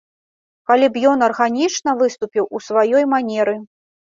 Калі б ён арганічна выступіў у сваёй манеры.